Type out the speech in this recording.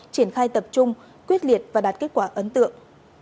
triển khai tập trung quyết liệt và đạt kết quả ấn tượng